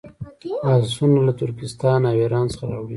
آسونه له ترکستان او ایران څخه راوړي.